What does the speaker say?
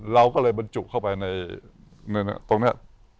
เราก็เลยบรรจุเข้าไปในตรงนี้